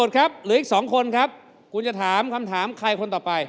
คุณจะถามคำถามใครคนต่อไป